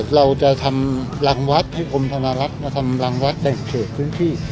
เราจะทำรังวัดให้กรมธนารักษ์มาทำรังวัดแบ่งเขตพื้นที่